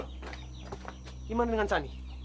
gimana dengan sani